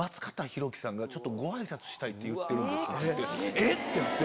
えっ⁉てなって。